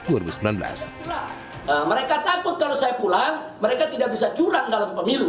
mereka takut kalau saya pulang mereka tidak bisa curang dalam pemilu